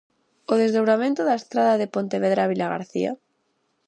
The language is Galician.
¿O desdobramento da estrada de Pontevedra a Vilagarcía?